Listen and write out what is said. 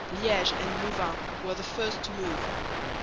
Liège and Louvain were the first to move.